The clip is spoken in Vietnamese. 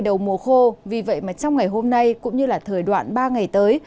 đầy đầu mùa khô vì vậy trong ngày hôm nay cũng như thời đoạn ba ngày tới